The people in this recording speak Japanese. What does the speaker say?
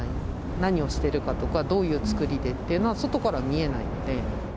何をしてるかとか、どういう造りでってのは、外からは見えないので。